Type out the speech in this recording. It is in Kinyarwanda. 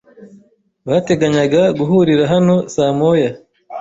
Bateganyaga guhurira hano saa moya.